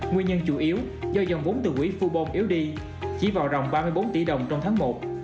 nguyên nhân chủ yếu do dòng vốn từ quỹ phubong yếu đi chỉ vào rồng ba mươi bốn tỷ đồng trong tháng một